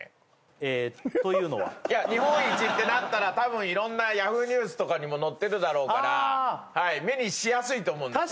日本一ってなったら多分色んなＹａｈｏｏ！ニュースとかにも載ってるだろうからああ目にしやすいと思うんですよ